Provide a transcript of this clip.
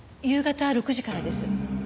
夕方６時からです。